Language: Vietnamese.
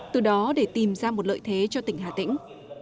từ đó để tìm ra một lợi thế cho tỉnh hà tĩnh